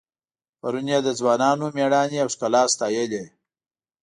پرون یې د ځوانانو میړانې او ښکلا ستایلې.